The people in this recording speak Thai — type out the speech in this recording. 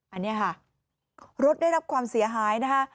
อันนี้ค่ะรถได้รับความเสียหายนะคะ